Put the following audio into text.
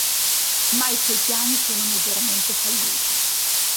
Ma i suoi piani sono miseramente falliti.